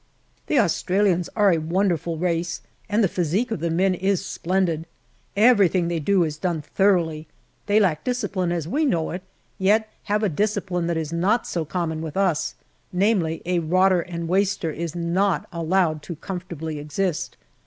The Australians are a wonderful race, and the physique of the men is splendid. Everything they do is done thoroughly. They lack discipline as we know it, yet have a discipline that is not so common with us, namely, a rotter and waster is not allowed to comfortably exist.